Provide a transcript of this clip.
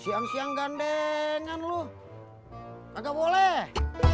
siang siang gandengan lu enggak boleh